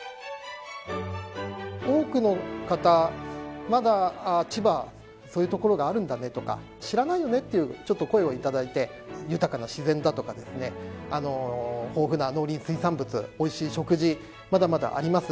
多くの方、まだ千葉、そういうところがあるんだねとか、知らないよねっていう、ちょっと声をいただいて、豊かな自然だとか、豊富な農林水産物、おいしい食事、まだまだあります。